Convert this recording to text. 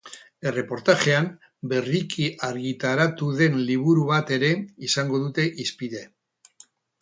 Erreportajean, berriki argitaratu den liburu bat ere izango dute hizpide.